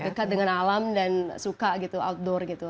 dekat dengan alam dan suka gitu outdoor gitu